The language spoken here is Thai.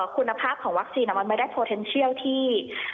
คุณภาพของวัคซีนมันไม่ได้โพเทนเชียลที่